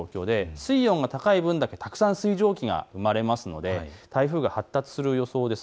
水温が高い分、たくさん水蒸気が生まれますので台風が発達する予想です。